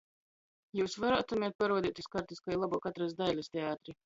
Jius varātumet paruodeit iz kartis, kai lobuok atrast Dailis teatri?